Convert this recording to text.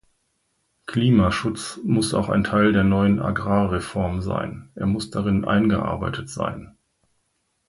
Klimaschutz muss auch ein Teil der neuen Agrarreform sein, er muss darin eingearbeitet sein.